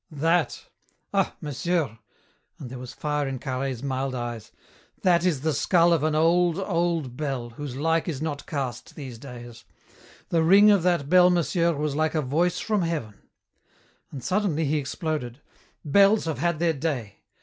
"That? Ah, monsieur!" and there was fire in Carhaix's mild eyes, "that is the skull of an old, old bell whose like is not cast these days. The ring of that bell, monsieur, was like a voice from heaven." And suddenly he exploded, "Bells have had their day!